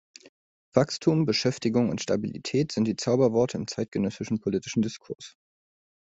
Wachstum, Beschäftigung und Stabilität sind die Zauberworte im zeitgenössischen politischen Diskurs.